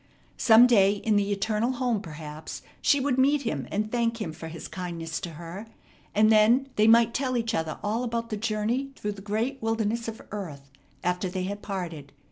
Some day in the eternal home perhaps she would meet him and thank him for his kindness to her, and then they might tell each other all about the journey through the great wilderness of earth after they had parted.